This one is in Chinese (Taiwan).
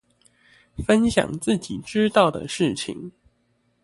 分享自己知道的事情